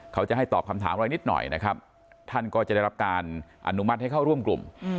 เขาจะให้ตอบคำถามอะไรนิดหน่อยนะครับท่านก็จะได้รับการอนุมัติให้เข้าร่วมกลุ่ม